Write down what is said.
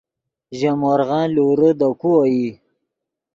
ژے مورغن لورے دے کو اوئی